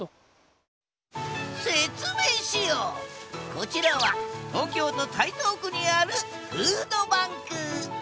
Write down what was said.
こちらは東京都台東区にあるフードバンク。